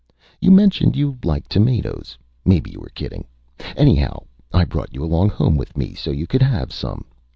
"You mentioned you liked tomatoes. Maybe you were kidding. Anyhow I brought you along home with me, so you could have some.